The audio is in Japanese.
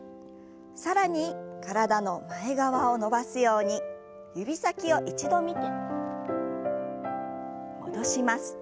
更に体の前側を伸ばすように指先を一度見て戻します。